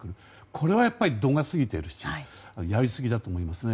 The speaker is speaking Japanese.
これはやっぱり度が過ぎてるしやりすぎだと思いますね。